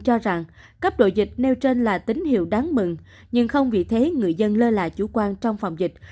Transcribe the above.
cho rằng cấp độ dịch nêu trên là tín hiệu đáng mừng nhưng không vì thế người dân lơ là chủ quan trong phòng dịch